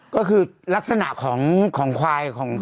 ก็คือลักษณะของควายของ